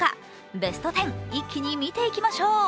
ベスト１０、一気に見ていきましょう